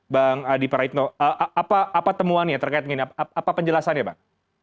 bang adip raitno apa temuannya terkait ini apa penjelasannya bang